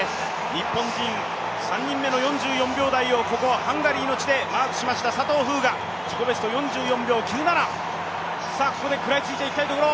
日本人３人目の４４秒台をここハンガリーの舞台で佐藤風雅、自己ベスト４４秒９７、ここでくらいついていきたいところ。